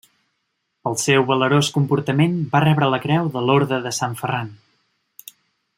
Pel seu valerós comportament, va rebre la creu de l'Orde de Sant Ferran.